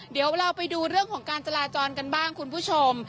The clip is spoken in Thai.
เดี๋ยวเราไปดูเรื่องของการจราจรกันบ้างคุณผู้ชม